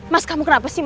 mas kamu kenapa sih mas